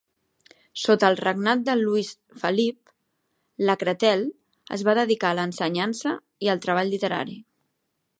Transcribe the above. Sota al regnat de Luis Felip, Lacretelle es va dedicar a l"ensenyança i el treball literari.